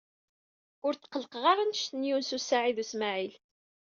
Ur tqellqeɣ ara anect n Yunes u Saɛid u Smaɛil.